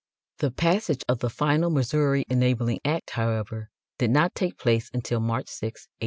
The passage of the final Missouri Enabling Act, however, did not take place until March 6, 1820.